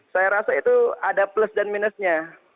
saya rasa itu ada plus dan minusnya